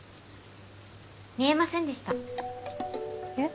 見えませんでしたえっ？